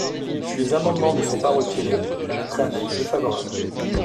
Si les amendements ne sont pas retirés, j’émettrai un avis défavorable.